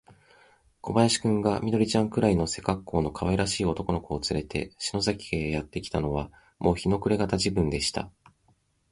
小林君が、緑ちゃんくらいの背かっこうのかわいらしい男の子をつれて、篠崎家へやってきたのは、もう日の暮れがた時分でした。